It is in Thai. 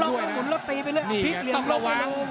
แล้วตีไปเลย